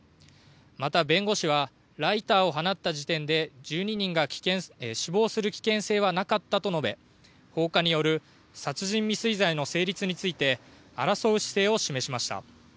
また弁護士はライターを放った時点で１２人が死亡する危険性はなかったと述べ放火による殺人未遂罪の成立について争う姿勢を示しました。